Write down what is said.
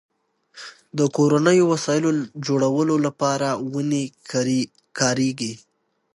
د کورنیو وسایلو جوړولو لپاره ونې کارېږي.